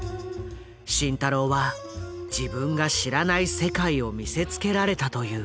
慎太郎は自分が知らない世界を見せつけられたという。